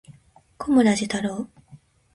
小村寿太郎